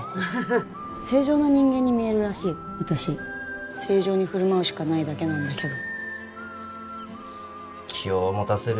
正常な人間に見えるらしい私正常にふるまうしかないだけなんだけど。